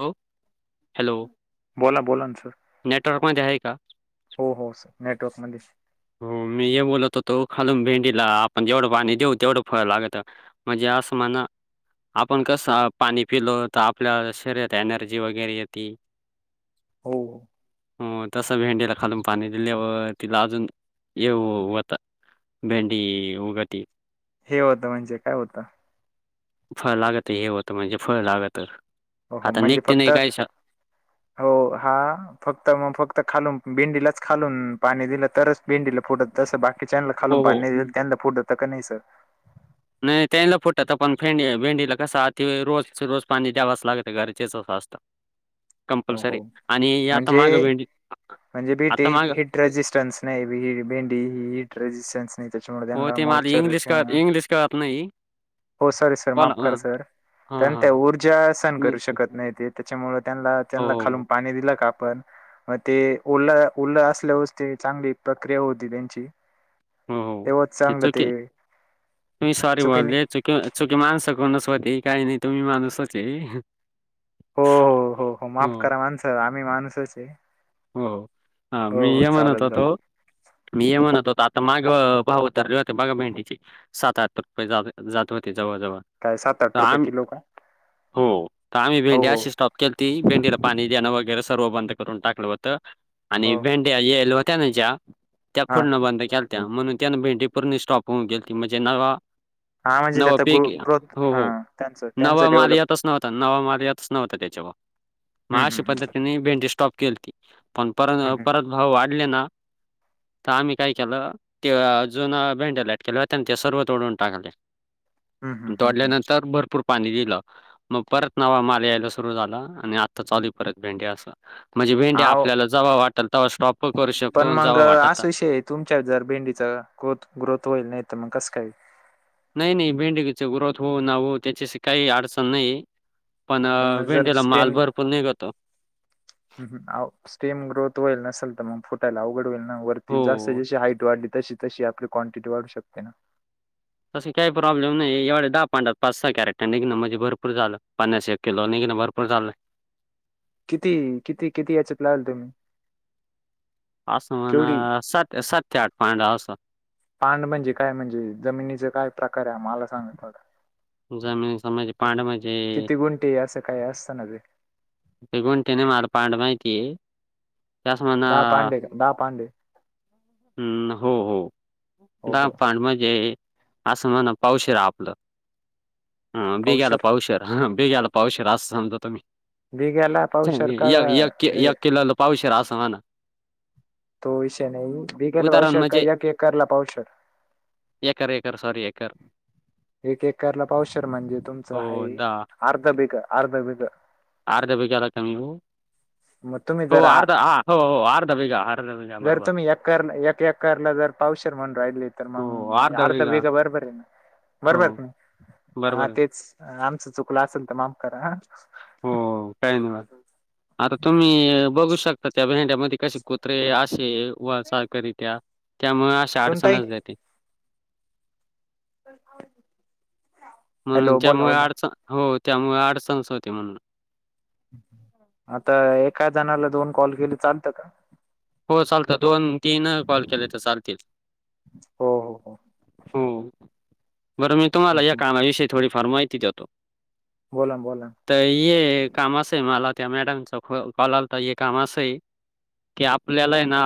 हो बोला बोला ना सर नेटवर्कमध्ये आहे का हो हो सर नेटवर्क मधी हो मी हे बोलत होतो खालून भेंडीला आपण जेवढं पाणी देऊ तेवढं फळ लागत म्हणजे असं म्हणा आपण कसं पाणी पिलो त आपल्या शरीरात एनर्जी वगैरे यती हो हो हो तस भेंडीला खालून पाणी दिल्यावर तिला अजून येऊ उत भेंडी उगती. हे होतं म्हणजे काय होतं. फळ लागत हे होतं म्हणजे फळ लागत. हो हो आता म्हणजे निघते फक्त नाही काय शा- हो हा फक्त मग फक्त खालून भेंडीलाच खालून पाणी दिलं तरच भेंडीला फुडत जसं बाकीच्यांना खालून हो हो पाणी दिल त्यांना फुडत तक नाही सर? नाही त्याला फुटत पण भेंडी भेंडीला कस रोज रोज पाणी द्यावाच लागत घरचे [unintelligible] असतं हो कंपल्सरी हो आणि आता म्हणजे माघ भेंडी म्हणजे बीट आता ही माग हिट रेजिस्टन्स नाही भेंडी ही हिट रेजिस्टन नाही हो त्याच्यामुळेला ते मला मॉचर इंग्लिश कळत इंग्लिश कळत नाही. हो सॉरी सर माफ बोला ना करा सर. हां, कारण त्या हां. ऊर्जा सहन हं. करू शकत नाही ते त्याच्यामुळे त्याला हो, त्याला खालून हो, पाणी दिलं का पण ते ओल ओल असल्यावरच ते चांगली प्रक्रिया होती त्यांची हो हो तेव्हाच ती चांगलं चुकी ते तुम्ही सॉरी चुकीने बोलले चुकी चुकी माणसा वनस्पती काही नाही तुम्ही माणूसच चे हो हो हो हो माफ करा माणसा आम्ही माणूसचय. हो ह मी हे म्हणत होतो मी हे म्हणत होतो माग भाव उद्धारले होते बघा भेंडीचे सात आठ रुपये जात होते. जवळ जवळ काय सात त आठ रुपये आम्ही किलो का हो का आम्ही हो भेंडी हो अशी स्टॉप केलती भेंडीला पाणी देणं वगैरे सर्व बंद करून टाकलं होत आणि हो भेंड्या यल होत्या ना ज्या! त्या हां खोडणं बंद केलत्या म्हणून त्यानं भेंडी पूर्णी स्टॉप होऊन गेलीती म ज्यांना वा हां म्हणजे नव त्याचा ग्रो पीके ग्रोथ हो हो हां त्यांचं त्यांचं नवा माल डेव्हलप येतच नव्हता नवा माल येत नव्हता त्याच्यामूळ मग हं हं अशी हं पद्धतीनी भेंडी स्टॉप केलती. पण पर हं न हं परत भाव वाढले न त आम्ही काय केलं. ते अजून भेंड्या लटकेल होत्या न त्या सर्व तोडून टाकल्या. हं हं हं हं तोडल्यानंतर भरपूर पाणी दिलं मग परत नवा माल यायला सुरु झाला आणि आत्ता चालू आहे परत भेंडे असं. म्हणजे भेंड्या अहो आपल्याला जव वाटल तेव्हा स्टॉप ही करू पण शकतो जव वाटत चला ग्रोथ ग्रोथ होईल नाही तर मग कसं काही नाही नाही भेंडीची ग्रोथ हो ना हो त्याचीशी काही अडचण नाहीये. पण मग जर स्टेम आओ स्टेम ग्रोथ होईल ना मग फोटायला अवघड होईल ना वरती जशी हो. जशी हाईट वाढली तशी तशी आपली क्वांटिटी वाढू शकते ना. तस काही प्रॉब्लेम नाही एवढ दहा पांडात पाच सहा कॅरेट निघण म्हणजे भरपूर झालं पन्नास एक किलो निघ न भरपूर चालय. किती किती किती याच्यात लावलय तुम्ही? असं म्हणा केवढी सात सात ते आठ पडा असलं. पांड म्हणजे काय म्हणजे जमिनीच काय प्रकार आहे हा मला सांगा थोडं. जमिनीचा म्हणजे पांडा म्हणजे किती गुंठे असं काय अस? ते गुंठे नाही माल पांड माहितीये. दहा पांडे का दहा पांडे हम्म हो हो हो दहा हो पांड म्हणजे? असं म्हणा पावशेर आपलं हा बिघ्याला पावशर पावशेर हा बेघला पावशेर अस समजा तुम्ही, बिघ्याला पावशर का कि एक हे एक किलोला पावशेर. होणा तो विषय नाही. बी गेल्या वर्षाला एक एकरला पाउशर कर सॉरी एकरर एक एकरला पाउशर म्हणजे तुमचं हो आहे अर्ध बीघ अर्ध बिघ अर्ध्या बिघारा कमी हो. मग तुम्ही हो जर आ अर्ध ह हो हो अर्ध बीघा अर्ध बीघा बरोबर ए एकरला जर पावशेर म्हणू राहिली, तर हो मंग अर्धा अर्ध माझं बिघा बीग बरोबर हाय. हो बरबर हा हा बरोबर आहे तेच, आमचं चुकलं असेल तर माफ करा हा. हो काहीही म्हणा, आता तुम्ही बघू शकता. त्या भेड्या मध्ये कसे कुत्रे, असे हे वासकारित्या. त्यामुळे अशा सुनताई अडचणच घेते. तर आ. म्हणून त्यामुळे अडचण, हो त्यामुळे अडचणस होती म्हणून. आता एका जणाला दोन कॉल केले चालतं का? हो चालत दोन तीन कॉल केले, तर चालतील. हो हो हो हो बरं मी तुम्हाला या हम्म. कामाविषयी थोडी फार माहिती देतो. बोला ना, बोला ना. तर ये कामाच आहे मला. त्या मॅडम चा कॉल आलत हे काम असय की आपल्याला आहे ना.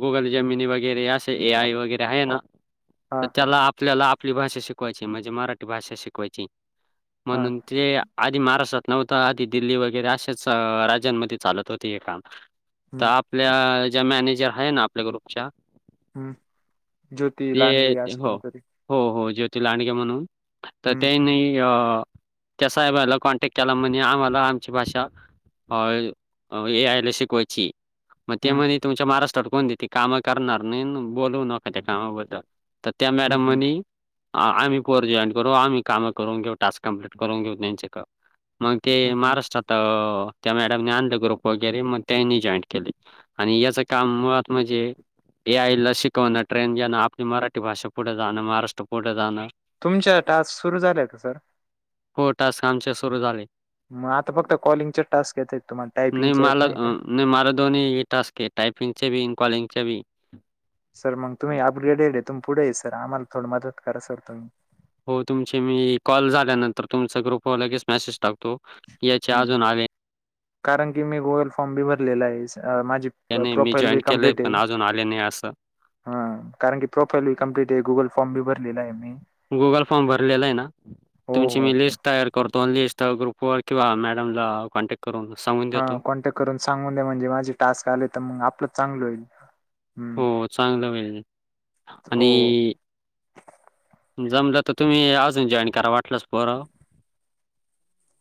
गुगल जेमिनी वगैरे असे ए आय वगैरे आहे ना. तर, हा त्याला आपल्याला आपली भाषा शिकवायची म्हणजे मराठी भाषा शिकवायची. हा म्हणून ते आधी महाराष्ट्रात नव्हता. आधी दिल्ली वगैरे असेच राज्यांमध्ये चालत होते. हे काम तर हम्म आपल्या ज्या मॅनेजर आहे. ना आपल्या ग्रुपच्या. हम्म ज्योती ते, लांडगे असं हो कोणतरी हो हो ते लांडगे म्हणून तर हम्म त्यांनी आ त्या साहेबाला कॉन्टॅक्ट केला म्हणजे आम्हाला आमची भाषा [unintelligible] मग ते हम्म म्हणे, तुमच्या महाराष्ट्रात कोणते ते कामं करणार नाही ना बोलवू नका त्या कामाबद्दल. तर त्या हम्म मॅडम हम्म म्हणी, आम्ही पोर जॉईन करू, आम्ही काम करून घेऊ, कम्प्लीट करून घेऊ त्यांच्या क मग ते हम्म महाराष्ट्रात अ त्या मॅडमने आंध ग्रुप वगैरे मग त्यांनी जॉईंट केले आणि याच काम मुळात म्हणजे याईला शिकवणं, ट्रेन ज्यांना आपली मराठी भाषा पुढ जाणं, महाराष्ट्र पुढ जाणं, तुमच्या टास्क सुरू झाल्या का सर हो टास्क आमच्या सुरू झाले. मग आता फक्त कॉलिंगचे टास्क येत आहेत तुम्हाला टायपिंगच्या येत नाही का? नवीन टास्के येतात. टायपिंगचे बी, कॉलिंगचे बी सर, मग तुम्ही अपग्रेड एरियातून पुढे ये सर, आम्हाला थोडं मदत करा. सर तुम्ही हो, तुमची मी कॉल झाल्यानंतर तुमचा ग्रुपवर लगेच मेसेज टाकतो. याचे हं. अजून आले कारण की मी गुगल फॉर्म बी भरलेला आहे माझी नाही मी प्रोफाईल जॉईन बी केलंय कंप्लीट आहे पण अजून आले नाही असं. हा कारण की प्रोफाईल बी कम्प्लीट आहे. गुगल फॉर्म भी भरलेला आहे मी, गुगल फॉर्म भरलेला आहे ना हो तुमची हो मी हो. लिस्ट तयार करतो आणि लिस्ट. ग्रुपवर किंवा मॅडम कॉन्टॅक्ट. करून सांगून हा देतो. कॉन्टॅक्ट करून सांगून दे म्हणजे माझे टास्क आले, तर मग आपलं चांगलं होईल. हं. हो, चांगलं होईल हो. आणि जमलं तर, तुम्ही अजून जॉईन करा वाटलंस पोर.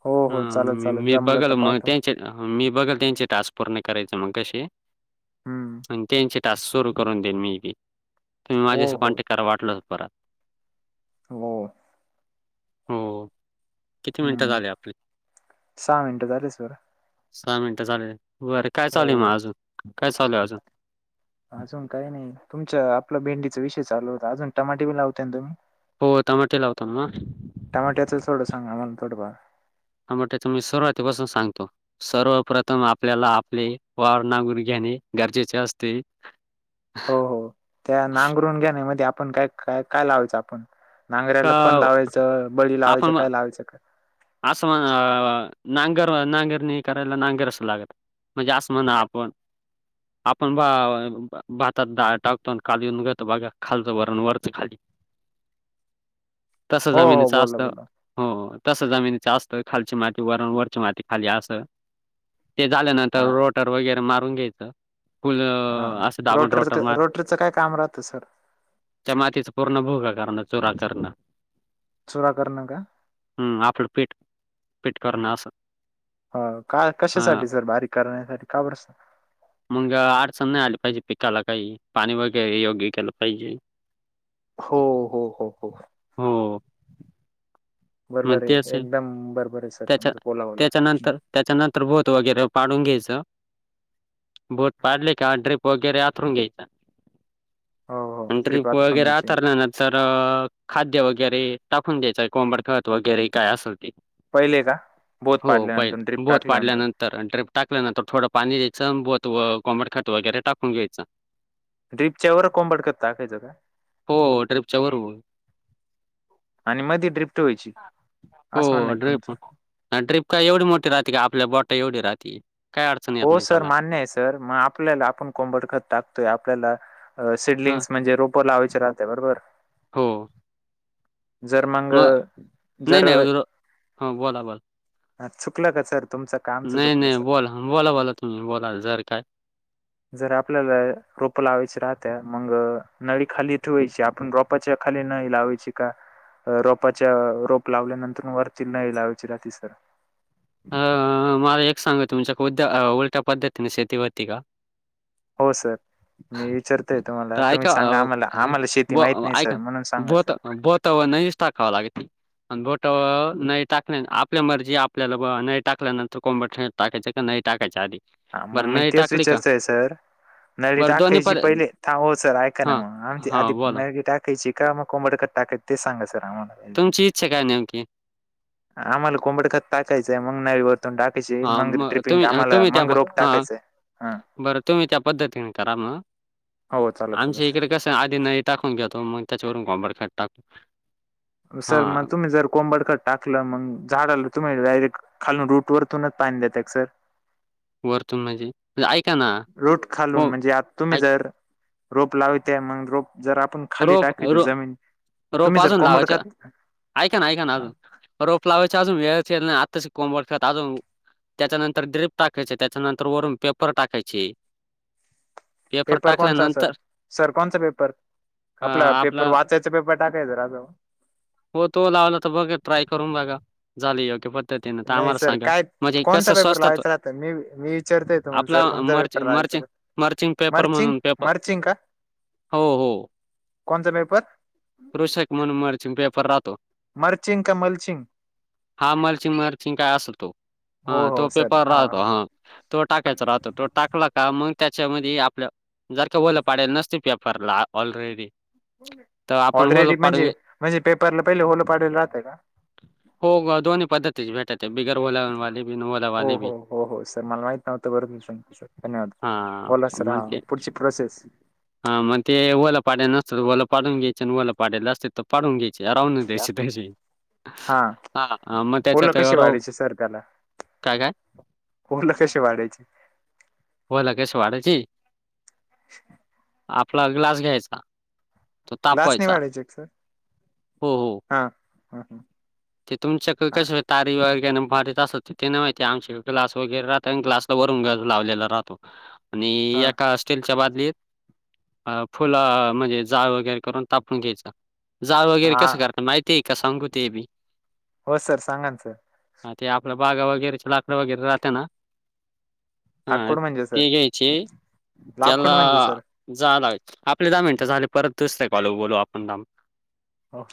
हो ह हो चालेल चालेल मी जमलं बघाल तर मग पाहतो. त्यांच्या मी बघल त्यांचे टास्क पूर्ण करायचे मग कसे हं. अन त्यांचे टास्क सुरू करून देईन मी बी तुम्ही हो माझ्याशी हो. कॉन्टॅक्ट करा वाटल परत हो हो किती मिनिटं हं. झाले आपले मिनिटं झाले सर. सहा मिनटं झाले बरं काय चालू आहे हो. मग अजून काय चालू अजून अजून काही नाही. तुमच्या आपला भेंडीचा विषय चालू होता अजून टमाटे बी लावतय ना तुम्ही हो टमाटे लावतो ना टमाट्याच थोडं सांगा थोडंफार ह म्हटलं तर मी सुरुवातीपासून सांगतो सर्वप्रथम आपल्याला आपले वार नांगरून घ्यायचे गरजेचे असते हो हो त्या नांगरून घ्याणे मध्ये आपण काय काय काय लावायचं आपण का नांगऱ्याला फन लावायचं बळी लावायचं काय लावायचं का अस म्हणा अ नांगर नांगरणी करायला नांगरच लागत म्हणजे असं म्हणा आपण आपण बा भातात डाळ टाकतो अन कालवून घेतो बघा खालचं वर अन वरचं खाली तस हो हो जमिनीच बोला असत बोला. हो जमिनीच असतं खालची माती वर वरची माती खाली अस ते झाल्यानंतर हा रोटर वगैरे मारून घ्यायचं फुल हा असं दाबून रोटर मार रोटरीचं काय काम राहतं सर त्या मातीचा पूर्ण भुगा करण चुरा करण चुरा करनं का हम्म आपलं पीठ पीठ करनं आस हो का कशासाठी सर बारीक करण्यासाठी का बरं मंग अडचण नाही आली पाहिजे पिकाला काही पाणी वगै योग्य केलं पाहिजे हो हो हो हो हो. [inaudible] मग बरोबर ते अस आहे. एकदम बरोबर आहे सर त्याच्या तुमचं. बोला बोला. त्याच्यानंतर त्याच्यानंतर बोद वगैरे पाडून घ्यायचं बोद पाडले का ड्रीप वगैरे आथरून घ्यायचा हो हो. नंतर ड्रीप वगैरे त्रिपात्रुंगीची. हाथरल्यानंतर खाद्य वगैरे टाकून द्यायच कोंबड खत वगैरे काय असल ते पहिले का बोत हो पहिल पाडल्यानंतर ड्रीप बोद टाकल्यानंतर पाडल्यानंतर ड्रीप टाकल्यानंतर थोडं पाणी द्यायचं कोंबडं खत वगैरे टाकून घ्यायचं ड्रीपच्या वर कोंबडं खत टाकायचं का हो ड्रिपच्या बरोबर आणि मध्ये ट्रिप हो ड्रीप ड्रीप काय एवढी मोठी राहती काय आपल्या बो ता एवढी राहतीए हो सर मान्य आहे सर मग आपल्याला आपण कोंबड खत टाकतोय आपल्याला ह सिडलिंग्स म्हणजे रोप लावायचे राहते बरोबर हो जर मंग मग नाही जर नाही हो बोला बोला. हा चुकलं का सर तुमचं का आमचं नाही चुकलं नाही सर बोला बोला बोला तुम्ही बोला जर काय जर आपल्याला रोपं लावायची राहत मग नळी खाली ठेवायची आपण रोपाच्या खाली नळी लावायची का रोपाच्या रोप लावल्यानंतर वरती नळी लावायची राहती सर अं मला एक सांगा तुमच्या उद्या उलट्या पद्धतीने शेती होती का हो सर मी विचारतोय तर तुम्हाला तुम्ही ऐका सांगा अ आम्हाला आम्हाला शेती ब माहित नाही सर म्हणून सांगा सर नहींच टाकावा लागती अन बोटावर नाही टाकल्या आपल्या मर्जी आपल्या व नाही टाकल्यानंतर कोंबड खत टाकायचं का नाही टाकायचं आधी हा मग बरं मी नई तेच टाकली का विचारतोय सर नळी बरं दोन्ही टाकायची पर पहिले थांबा ओ सर ऐका ना हां मग आमची हां आधी बोला नळळी टाकायची का मग कोंबडक टाकत ते सांगां सर आम्हाल तुमची इच्छा काय नेमकी? आम्हाला कोंबड [unintelligible] कायचंय मग नईवर [unintelligible] मग ट्रिपिंग कामाला [unintelligible] बरं तुम्ही त्या पद्धतीन करा मग हो चालेल चालेल आमच्या सर. इकड कसं आधी नाळी टाकून घेतो मग त्याच्यावरून कोंबडकट टाक सर मग तुम्ही जर कोंबडकट टाकलं मग झाड आलं तुम्ही डायरेक्ट खालन रूट वरतुन पाणी देताय सर? वरतून म्हजे? रोट खालून म्हणजे आ तुम्ही ऐक जर रोप लाविते मग रोप जर आपण खाली रोप टाकित रो जमीन रोप तुम्ही जर अजून कोंबड लावायचे खात ऐका ना ऐका ना अजून रोप लावायचे अजून वे [inaudible] त्याच्यानंतर ड्रिप टाकायचे त्याच्यानंतर वरून पेपर टाकायचे. पेपर कोणसा सर सर कोणसा पेपर? आपला पेपर वाचायचं पेपर टाकायचं रानावर. हो झाली योग्य प ध्दतीन तर नाही आम्हाला सर सांगा काय म्हणजे कस कोणचा पेपर स्वस्तात लावायचा राहता मी मी विचारतोय तुम्हाला सर आपलार कोणचा मारच पेपर मार लावायचा चिं मारचिंग पेपर मर्चिंग म्हणून पेप मर्चिंग का हो हो कोणचा पेपर कृषक म्हणून मारचिंग पेपर राहतो. मरचिंग का मलचिंग? हा मलची मरची काय असल तो. हो हा तो हो सर पेपर राहतो हा तो टाकायचा राहतो तो टाकला का मग त्याच्यामध्ये आपलं जर का होलं पाडाल नसतील पेपरला ऑलरेडी तर आपण होल ऑलरेडी पाड म्हणजे म्हणजे पेपरला पहिले होल पाडून राहतय का? हो, दोन्ही पद्धतीची भेटेल. हो हो हो हो सर मला माहित नव्हतं बर झालं तुम्ही सांगितलं सर धन्यवाद. हां, बोला सर हा पुढची प्रोसेस. हा मग ते होला पाडले नसचल होलं पाडून घ्यायच नी होलं पाडेल असत तर पाडून घ्याय ची राऊून द्याची त्याची हा हा मग त्याच्या पोलं कशी तयाराव वाढायची काय काय? होलं कसे पाढायचे. होला कशी वाढायची. [unintelligible] आपला ग्लास घ्यायचा. तो ग्लास ने तापवायचा. काढायचा ए का सर हो, हो. हा हा ह. ते तुमच्याकड कस तारी वार काय [unintelligible] आणि एका स्टीलच्या बा लीत फुलं आ म्हणजे जाळ वगैरे करून तापून घ्यायच. जाळ वगैरे हा कसं करत माहिती ए का सांगू ते बी हो सर सांग ना सर. ह ते आपल्या बागा वगैरेच लाकड वगैरे राहते ना. हा आकूड म्हणजे सर ते घ्यायचे लाकूड त्याला म्हणजे सर जाळ ला आपले दहा मिनट झाले परत दुसरे कॉल बोलू आपण दम हो.